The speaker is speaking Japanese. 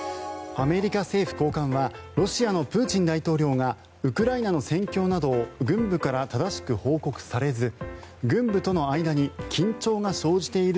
アメリカ政府高官はロシアのプーチン大統領がウクライナの戦況などを軍部から正しく報告されず